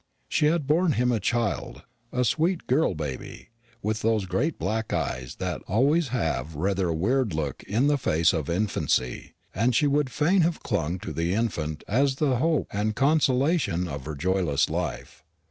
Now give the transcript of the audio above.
She had borne him a child a sweet girl baby, with those great black eyes that always have rather a weird look in the face of infancy; and she would fain have clung to the infant as the hope and consolation of her joyless life.